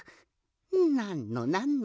なんのなんの！